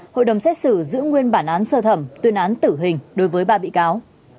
hội đồng xét xử giữ nguyên bản án sơ thẩm tuyên án tử hình đối với ba bị cáo